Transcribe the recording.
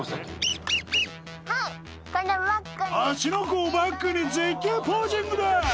湖をバックに絶景ポージングだ！